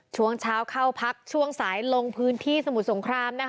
ช่วงเช้าเข้าพักช่วงสายลงพื้นที่สมุทรสงคราม